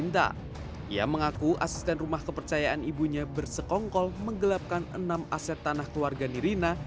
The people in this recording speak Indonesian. dia mengaku asisten rumah kepercayaan ibunya bersekongkol menggelapkan enam aset tanah keluarga nirina